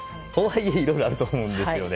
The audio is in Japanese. やっぱりいろいろあると思うんですね。